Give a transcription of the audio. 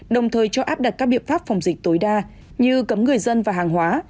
đồng thời cho áp đặt các biện pháp phòng dịch tối đa như cấm người dân và hàng hóa